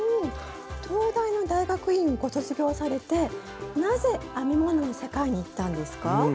東大の大学院をご卒業されてなぜ編み物の世界にいったんですか？